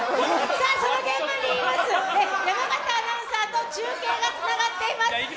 その現場にいます山形アナウンサーと中継がつながっています。